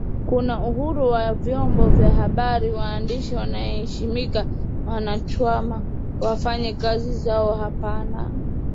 kuna uhuru wa vyombo vya habari waandishi wanaeshimika wanaachwa wafanye kazi zao hapana